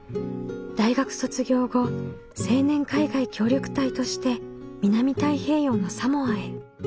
大学卒業後青年海外協力隊として南太平洋のサモアへ。